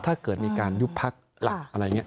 ถ้าเกิดมีการยุบพักหลักอะไรอย่างนี้